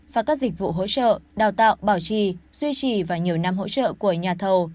và các dịch vụ hỗ trợ đào tạo bảo trì duy trì và nhiều năm hỗ trợ của nhà thầu